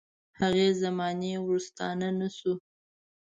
هغې زمانې ورستانه نه شو.